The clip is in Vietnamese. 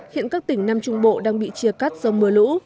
hiện các tỉnh nam trung bộ đang bị chia cắt do mưa lũ